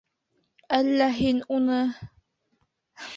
Әллә һин уны...